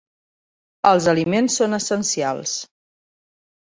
Els aliments són essencials.